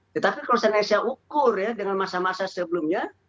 tetapi kalau saya ingin ukur dengan masa masa sebelumnya